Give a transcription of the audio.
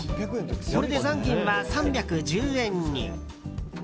これで残金は３１０円に。